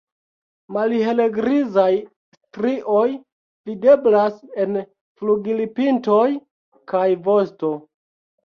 Malhelgrizaj strioj videblas en flugilpintoj kaj vosto.